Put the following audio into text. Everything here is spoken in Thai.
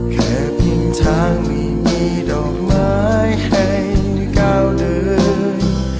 แค่เพียงทางไม่มีดอกไม้ให้ก้าวเลย